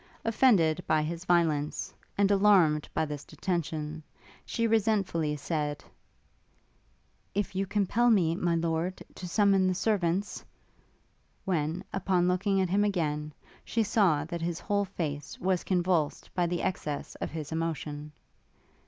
Offended by his violence, and alarmed by this detention, she resentfully said, 'If you compel me, my lord, to summon the servants ' when, upon looking at him again, she saw that his whole face was convulsed by the excess of his emotion.